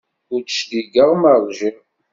Ur d-cligeɣ ma ṛjiɣ.